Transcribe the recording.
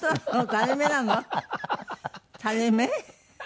垂れ目？